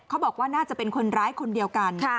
เขาบอกว่าน่าจะเป็นคนร้ายคนเดียวกัน